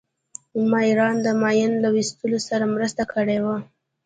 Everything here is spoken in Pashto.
ماريا د ماين له ويستلو سره مرسته کړې وه.